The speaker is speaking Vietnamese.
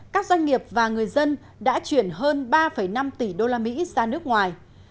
các doanh nghiệp và người dân đã chuyển hơn ba năm tỷ usd ra nước ngoài